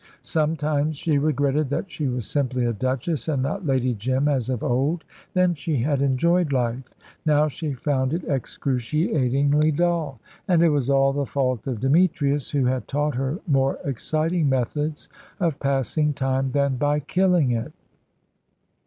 Sometimes she regretted that she was simply a Duchess, and not Lady Jim as of old. Then she had enjoyed life; now she found it excruciatingly dull. And it was all the fault of Demetrius, who had taught her more exciting methods of passing time than by killing it.